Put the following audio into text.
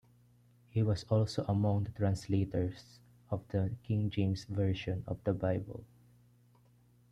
He was also among the translators of the King James Version of the Bible.